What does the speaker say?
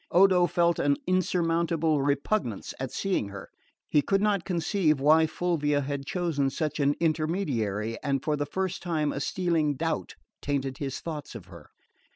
Odo felt an insurmountable repugnance at seeing her. He could not conceive why Fulvia had chosen such an intermediary, and for the first time a stealing doubt tainted his thoughts of her.